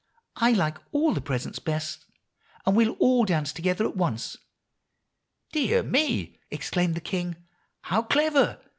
'I like all the presents best, and we'll all dance together at once.' "'Dear me!' exclaimed the king, 'how clever!